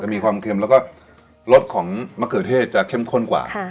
มีความเค็มแล้วก็รสของมะเขือเทศจะเข้มข้นกว่า